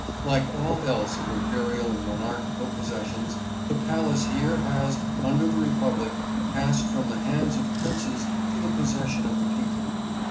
Like all else of imperial and monarchical possessions, the palace here has, under the Republic, passed from the hands of princes to the possession of the people.